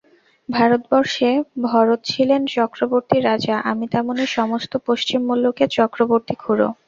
ভারতবর্ষে ভরত ছিলেন চক্রবর্তী রাজা, আমি তেমনি সমস্ত পশ্চিম-মুল্লুকের চক্রবর্তী-খুড়ো।